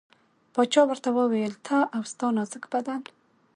باچا ورته وویل ته او ستا نازک بدن.